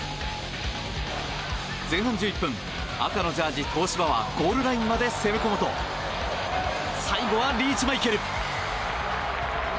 前半１１分、赤のジャージー東芝はゴールラインまで攻め込むと最後はリーチマイケル！